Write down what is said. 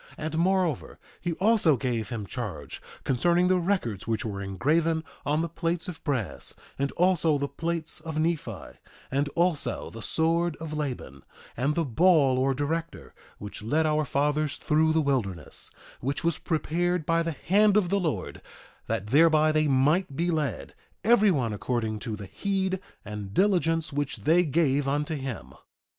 1:16 And moreover, he also gave him charge concerning the records which were engraven on the plates of brass; and also the plates of Nephi; and also, the sword of Laban, and the ball or director, which led our fathers through the wilderness, which was prepared by the hand of the Lord that thereby they might be led, every one according to the heed and diligence which they gave unto him.